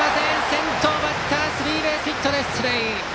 先頭バッタースリーベースヒットで出塁！